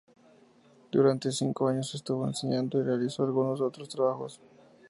Durante cinco años estuvo enseñando y realizó algunos otros trabajos.